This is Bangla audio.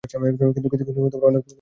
কিন্তু অনেক বড় ত্যাগের বিনিময়ে।